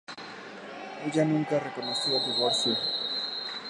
Ella nunca reconoció el divorcio.